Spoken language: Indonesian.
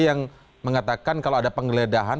yang mengatakan kalau ada penggeledahan